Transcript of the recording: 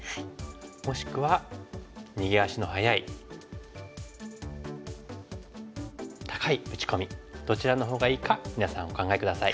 もしくは逃げ足の早い高い打ち込みどちらのほうがいいか皆さんお考え下さい。